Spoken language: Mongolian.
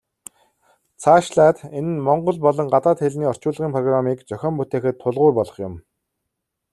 Цаашлаад энэ нь монгол болон гадаад хэлний орчуулгын программыг зохион бүтээхэд тулгуур болох юм.